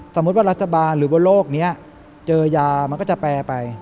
สมมุติว่ารัฐบาลหรือว่าโรคนี้เจอยามันก็จะแปลไป